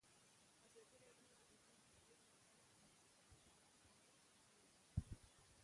ازادي راډیو د د اوبو منابع پر اړه مستند خپرونه چمتو کړې.